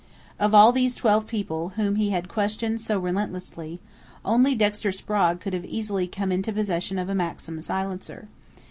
Of all these twelve people, whom he had questioned so relentlessly, only Dexter Sprague could easily have come into possession of a Maxim silencer.